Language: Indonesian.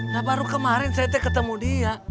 nah baru kemarin saya ketemu dia